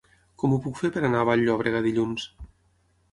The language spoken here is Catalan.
Com ho puc fer per anar a Vall-llobrega dilluns?